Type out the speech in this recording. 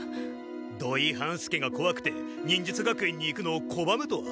土井半助がこわくて忍術学園に行くのをこばむとは。